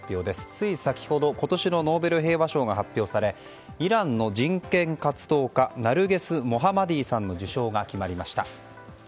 つい先ほど今年のノーベル平和賞が発表されイランの人権活動家ナルゲス・モハマディさんの受賞が決まりました。